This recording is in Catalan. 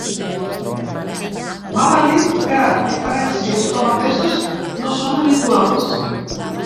Val a dir que diferències com aquestes no són habituals.